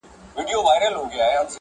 جنون د حسن پر امساء باندې راوښويدی~